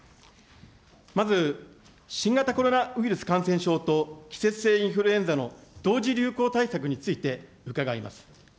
まず、新型コロナウイルス感染症と季節性インフルエンザの同時流行対策について伺います。